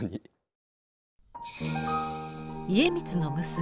家光の娘